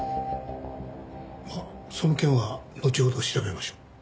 まあその件はのちほど調べましょう。